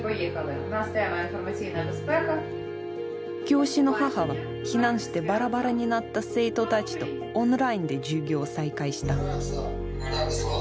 教師の母は避難してバラバラになった生徒たちとオンラインで授業を再開した。